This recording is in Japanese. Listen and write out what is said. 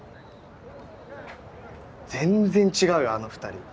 全然違うよあの２人。